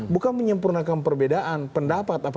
bukan menyempurnakan perbedaan pendapat